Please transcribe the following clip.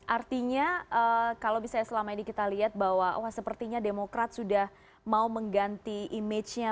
artinya kalau misalnya selama ini kita lihat bahwa oh sepertinya demokrat sudah mau mengganti image nya